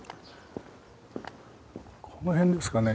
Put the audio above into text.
この辺ですかね